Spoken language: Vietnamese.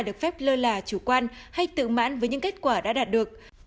được phép lơ là chủ quan hay tự mãn với những kết quả đã đạt được